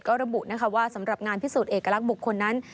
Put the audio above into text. ก็ระบุนะคะว่าสำหรับงานพิสูจนเอกลักษณ์บุคคลนั้น